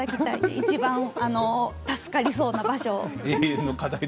いちばん助かりそうな場所を。